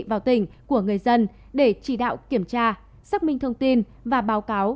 vào tỉnh của người dân để chỉ đạo kiểm tra xác minh thông tin và báo cáo